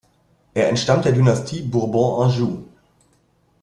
Er entstammt der Dynastie Bourbon-Anjou.